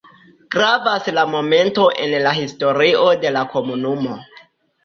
Gravas la momento en la historio de la komunumo.